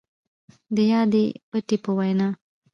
د يادې پتې په وينا،